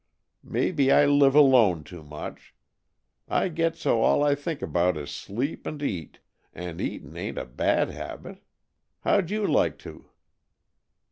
Maybe I live alone too much. I get so all I think about is sleep and eat. And eating ain't a bad habit. How'd you like to?"